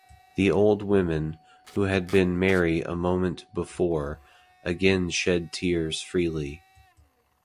The old women, who had been merry a moment before, again shed tears freely.